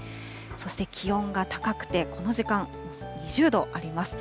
そして気温が高くて、この時間、２０度あります。